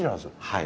はい。